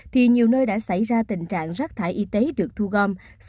thì nhiều nơi đã xảy ra tình trạng rác thải y tế được thu gom